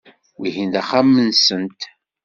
Wihin d axxam-nsent.